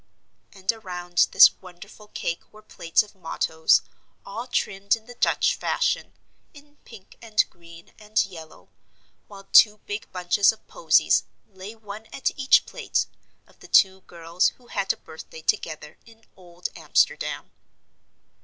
And around this wonderful cake were plates of mottoes, all trimmed in the Dutch fashion in pink and green and yellow while two big bunches of posies, lay one at each plate, of the two girls who had a birthday together in Old Amsterdam.